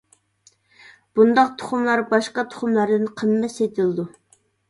بۇنداق تۇخۇملار باشقا تۇخۇملاردىن قىممەت سېتىلىدۇ.